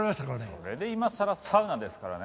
それで今さらサウナですからね。